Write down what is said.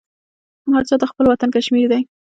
هر چا ته خپل وطن کشمیر دی